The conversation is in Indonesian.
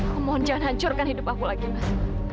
aku mohon jangan hancurkan hidup aku lagi mas